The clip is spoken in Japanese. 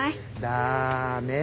ダメ。